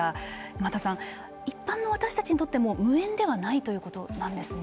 沼田さん、一般の私たちにとっても無縁ではないということなんですね。